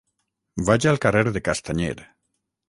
Vaig al carrer de Castanyer.